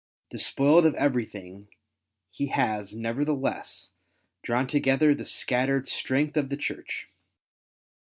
Despoiled of everything, he has, nevertheless, drawn together the scattered strength of the Church.